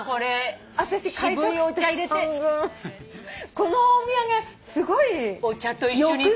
このお土産すごい。お茶と一緒に頂くわ。